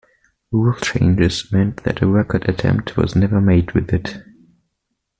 Rule changes meant that a record attempt was never made with it.